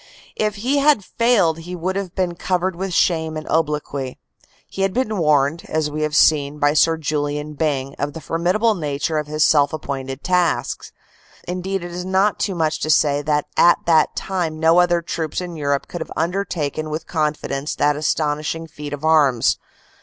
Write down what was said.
If he had failed he would have been covered with shame and obloquy. He had been warned, as we have seen, by Sir Julian Byng of the formidable nature of his self appointed task; indeed it is not too much to say that at that time no other troops in Europe could have undertaken with confidence that aston ishing feat of arms.